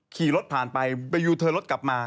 ขี่รถผ่านไปไปยูเทิร์รถกลับมา